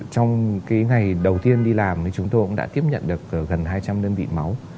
trong ngày đầu tiên đi làm chúng tôi cũng đã tiếp nhận được gần hai trăm linh đơn vị máu